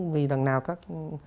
vì đằng nào các